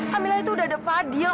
kamila itu udah ada fadhil